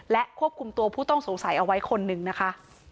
และควบคุมตัวผู้ต้องสงสัยเอาไว้คนหนึ่งนะคะ